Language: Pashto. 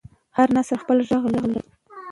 هر نسل خپل غږ لري